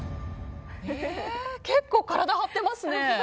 結構、体張ってますね。